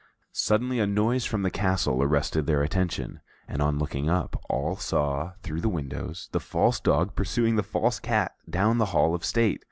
Suddenly a noise from the castle arrested their attention, and on looking up, all saw through the windows the false dog pursuing the false cat down the hall of state.